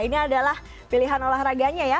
ini adalah pilihan olahraganya ya